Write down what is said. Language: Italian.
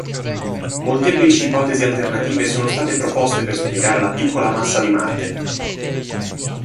Molteplici ipotesi alternative sono state proposte per spiegare la piccola massa di Marte.